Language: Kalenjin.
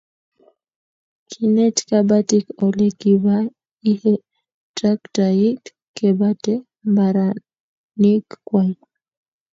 Kineti kabatik ole kibaihe traktait kebate mbaronik kwai